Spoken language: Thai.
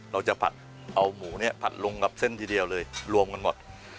จะผัดเอาหมูเนี่ยผัดลงกับเส้นทีเดียวเลยรวมกันหมด